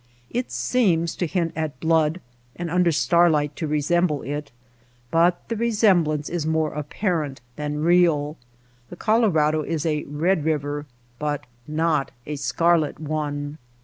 It seems to hint at blood, and under starlight to resemble it ; but the resem blance is more apparent than real. The Colo rado is a red river but not a scarlet one.